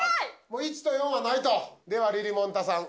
もう１と４はないとではリリもんたさん